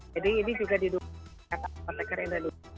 jadi ini juga didukung oleh apotekar indonesia